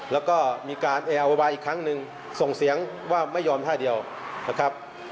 แล้วก็มีการแอร์โวยวายอีกครั้งหนึ่งส่งเสียงว่าไม่ยอมท่าเดียวนะครับ